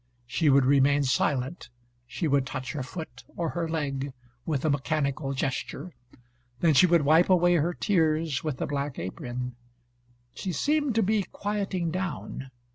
She would remain silent, she would touch her foot or her leg with a mechanical gesture. Then she would wipe away her tears with the black apron. She seemed to be quieting down.